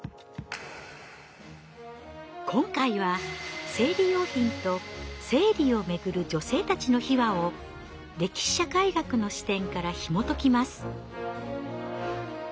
今回は生理用品と生理を巡る女性たちの秘話を歴史社会学の視点からひもときます。